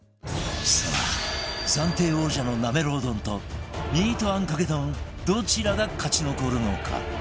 さあ暫定王者のなめろう丼とミートあんかけ丼どちらが勝ち残るのか？